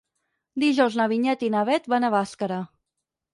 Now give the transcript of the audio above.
Dijous na Vinyet i na Bet van a Bàscara.